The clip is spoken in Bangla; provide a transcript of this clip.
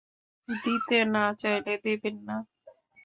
দিতে না চাইলে দেবেন না।